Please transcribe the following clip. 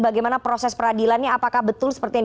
bagaimana proses peradilannya apakah betul seperti yang